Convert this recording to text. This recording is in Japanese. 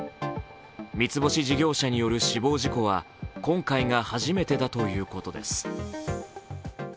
三つ星事業者による死亡事故は今回が初めてだということです。